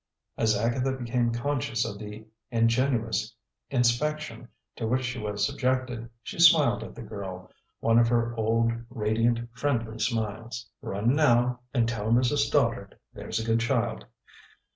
As Agatha became conscious of the ingenuous inspection to which she was subjected, she smiled at the girl one of her old, radiant, friendly smiles. "Run now, and tell Mrs. Stoddard, there's a good child!